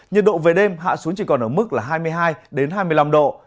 nhiệt độ về đêm hạ xuống chỉ còn ở mức là hai mươi hai hai mươi năm độ